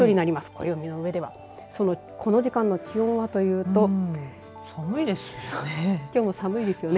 暦の上ではこの時間の気温はというと寒いですよね。